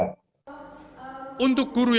untuk guru yang setidaknya